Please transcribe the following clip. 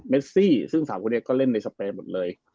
ซี่ซึ่ง๓คนนี้ก็เล่นในสเปรย์หมดเลย